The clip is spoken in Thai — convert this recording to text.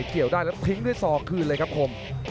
เกี่ยวได้แล้วทิ้งด้วยศอกคืนเลยครับคม